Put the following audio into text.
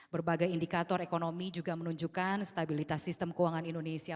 berbagai indikator ekonomi juga menunjukkan stabilitas sistem keuangan indonesia